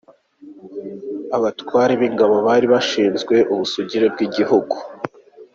Abatware b’ingabo :Bari bashinzwe ubusugire bw’igihugu.